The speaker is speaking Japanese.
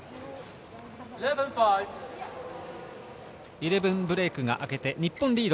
イレブンブレイクが明けて日本リード。